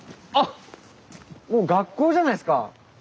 あっ学校じゃないですか。